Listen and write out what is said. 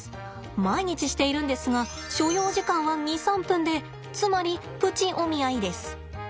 毎日しているんですが所要時間は２３分でつまりプチお見合いです。